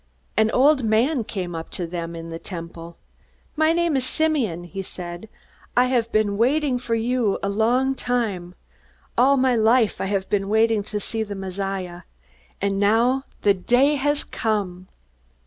An old man came up to them in the Temple. "My name is Simeon," he said. "I have been waiting for you a long time. All my life I have been waiting to see the Messiah. And now the day has come."